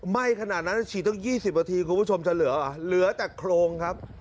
ไหม้ขนาดนั้นฉีดตั้ง๒๐นาทีคุณผู้ชมจะเหลือเหรอเหลือแต่โครงครับ